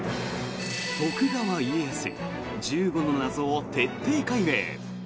徳川家康１５の謎を徹底解明！